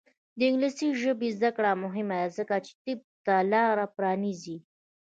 د انګلیسي ژبې زده کړه مهمه ده ځکه چې طب ته لاره پرانیزي.